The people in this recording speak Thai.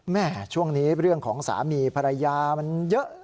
แม่ช่วงนี้เรื่องของสามีภรรยามันเยอะ